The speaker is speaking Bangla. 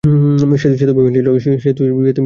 সে তো ভেবেই নিয়েছিলো যে তুই তার বিয়েতেও আসবি না!